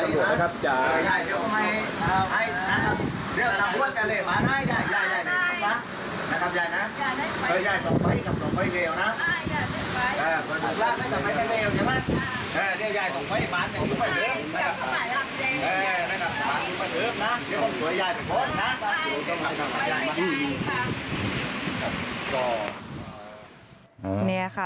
และดีละยายส่งเข้ามาให้ว้ายอยู่ไปเลย